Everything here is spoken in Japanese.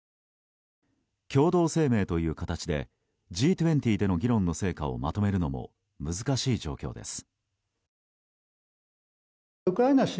共同声明という形でＧ２０での議論の成果をまとめるのも難しい状況です。